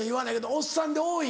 おっさんで多い？